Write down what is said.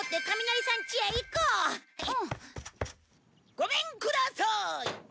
ごめんくださーい！